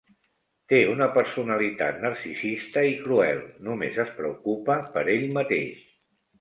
Té una personalitat narcisista i cruel, només es preocupa per ell mateix.